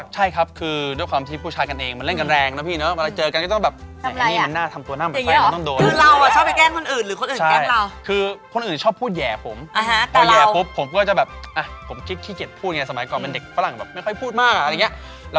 ชอบแกล้งคือเอาอย่างนี้ดีกว่าเราฟังฝ่ายเดียวไม่ได้เราไปแบบว่าถามน้องเมาสดีกว่า